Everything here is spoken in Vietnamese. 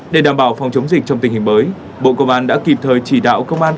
để đảm bảo phòng chống dịch trong tình hình mới bộ công an đã kịp thời chỉ đạo công an